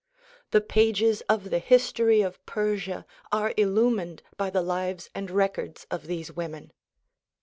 The pages of the history of Persia are illumined by the lives and records of these women.